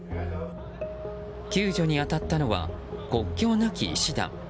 救助に当たったのは国境なき医師団。